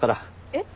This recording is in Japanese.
えっ？